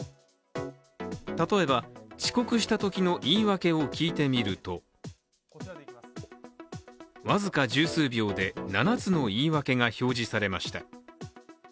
例えば、遅刻したときの言い訳を聞いてみると僅か十数秒で、７つの言い訳が表示されました。